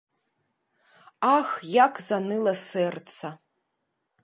Ах, як заныла сэрца.